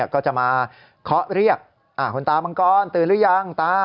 ก็จะมาเคาะเรียกคุณตามังกรตื่นหรือยังตา